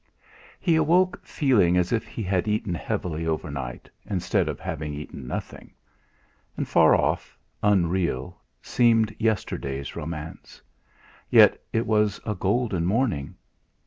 5 He awoke feeling as if he had eaten heavily overnight, instead of having eaten nothing. And far off, unreal, seemed yesterday's romance! Yet it was a golden morning.